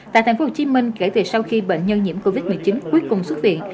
tại tp hcm kể từ sau khi bệnh nhân nhiễm covid một mươi chín cuối cùng xuất viện